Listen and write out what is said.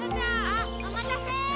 あっおまたせ！